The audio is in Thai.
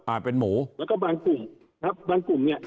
เป็นหมูแล้วก็บางกลุ่มครับบางกลุ่มเนี่ย